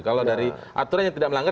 kalau dari aturan yang tidak melanggar